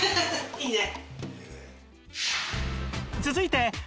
いいね。